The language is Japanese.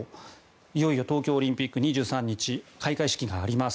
いよいよ東京オリンピック２３日に開会式があります。